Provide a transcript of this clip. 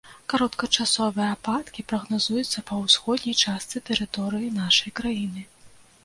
Кароткачасовыя ападкі прагназуюцца па ўсходняй частцы тэрыторыі нашай краіны.